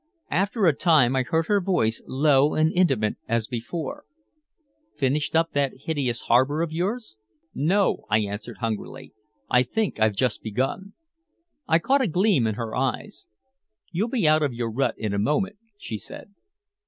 After a time I heard her voice, low and intimate as before: "Finished up that hideous harbor of yours?" "No," I answered hungrily, "I think I've just begun." I caught a gleam in her eyes. "You'll be out of your rut in a moment," she said.